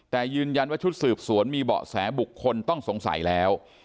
แต่ยืนยันว่าชุดสืบสวนมีเบาะแสบุคคลต้องสงสัยแล้ว